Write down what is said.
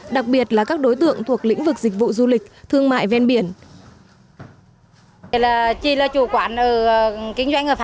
đặc biệt là các đối tượng thuộc lĩnh vực dịch vụ du lịch thương mại ven biển